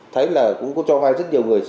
thấy là cũng cho vai rất nhiều người